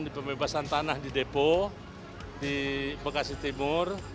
di pembebasan tanah di depo di bekasi timur